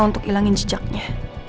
untuk ilangin jejaknya